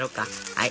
はい。